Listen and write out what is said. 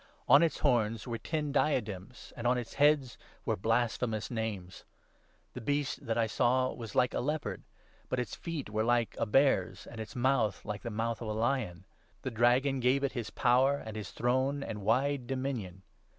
On its horns were ten diadems, and on its heads were blasphemous names. The Beast that I saw 2 was like a leopard ; but its feet were like a bear's, and its mouth like the mouth of a lion. The Dragon gave it his power and his throne, and wide dominion.